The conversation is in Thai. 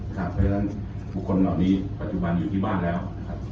เพราะฉะนั้นบุคคลเหล่านี้ปัจจุบันอยู่ที่บ้านแล้วนะครับ